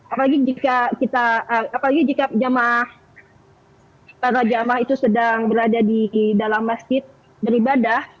apalagi jika jemaah itu sedang berada di dalam masjid beribadah